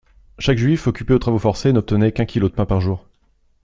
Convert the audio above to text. Chaque Juif, occupé aux travaux forcés, n'obtenait qu'un kilo de pain par jour.